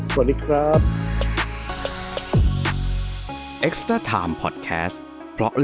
สวัสดีครับ